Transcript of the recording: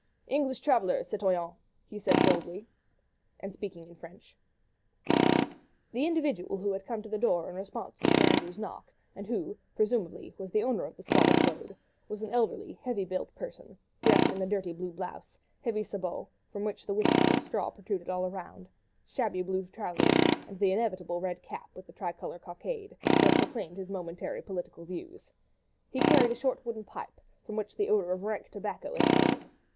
"English travellers, citoyen!" he said boldly, and speaking in French. The individual who had come to the door in response to Sir Andrew's knock, and who, presumably, was the owner of this squalid abode, was an elderly, heavily built peasant, dressed in a dirty blue blouse, heavy sabots, from which wisps of straw protruded all round, shabby blue trousers, and the inevitable red cap with the tricolour cockade, that proclaimed his momentary political views. He carried a short wooden pipe, from which the odour of rank tobacco emanated.